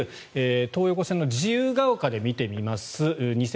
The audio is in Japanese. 東横線の自由が丘で見てみます。